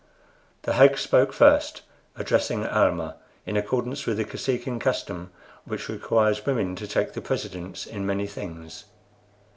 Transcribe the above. The hag spoke first, addressing Almah, in accordance with the Kosekin custom, which requires women to take the precedence in many things.